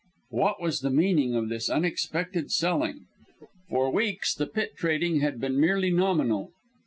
What was the meaning of this unexpected selling? For weeks the pit trading had been merely nominal.